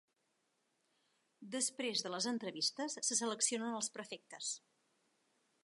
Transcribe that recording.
Després de les entrevistes se seleccionen els prefectes.